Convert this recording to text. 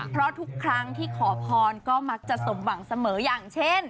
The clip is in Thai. เพราะทุกครั้งที่ขอพรก็มักจะสมหวังเสมออย่างเช่น